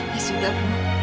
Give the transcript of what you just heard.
ya sudah bu